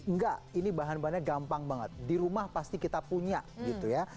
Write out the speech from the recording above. enggak ini bahan bahannya gampang banget di rumah pasti kita punya gitu ya